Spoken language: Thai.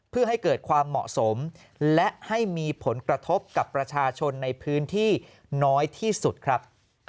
เพื่อให้เกิดความเหมาะสมและให้มีผลกระทบกับประชาชนในพื้นที่น้อยที่สุดครับ